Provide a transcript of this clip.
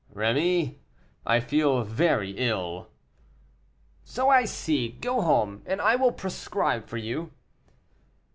"Rémy, I feel very ill." "So I see. Go home, and I will prescribe for you."